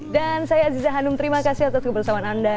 dan saya aziza hanum terima kasih atas kebersamaan anda